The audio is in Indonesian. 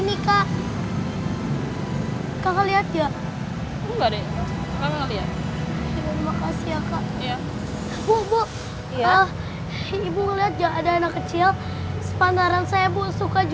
ikutin apa yang aku mau